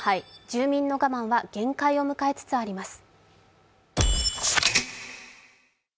住民の我慢は限界を迎えつつあります。